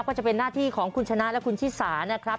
ก็จะเป็นหน้าที่ของคุณชนะและคุณชิสานะครับ